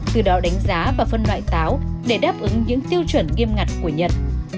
từ đó đánh giá và phân loại táo để đáp ứng những tiêu chuẩn nghiêm ngặt của nhật